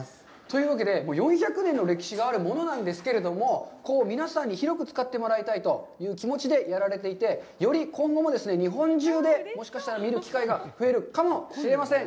というわけで、４００年の歴史があるものなんですけれども、皆さんに広く使ってもらいたいという気持ちでやられていて、より今後も日本中でもしかしたら見る機会がふえるかもしれません。